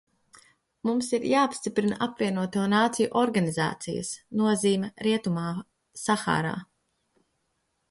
Mums ir jāpastiprina Apvienoto Nāciju Organizācijas nozīme Rietumsahārā.